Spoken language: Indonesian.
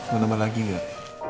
mau nembal lagi gak